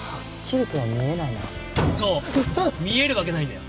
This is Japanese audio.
そう見えるわけないんだよ。